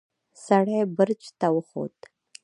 سړی برج ته وخوت.